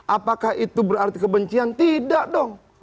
apakah itu berarti kebencian tidak dong